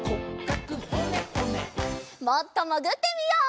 もっともぐってみよう。